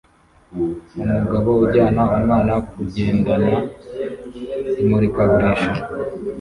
Umugabo ujyana umwana kugendana imurikagurisha